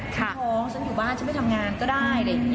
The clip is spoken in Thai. ฉันถือว่าฉันไม่ทำงานก็ได้